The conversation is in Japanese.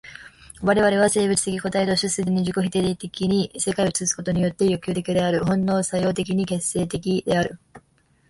我々は生物的個体として既に自己否定的に世界を映すことによって欲求的である、本能作用的に形成的である。